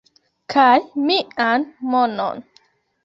kaj mian monon